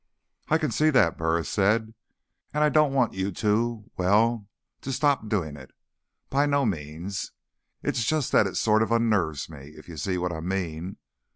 "I can see that," Burris said. "And I don't want you to, well, to stop doing it. By no means. It's just that it sort of unnerves me, if you see what I mean.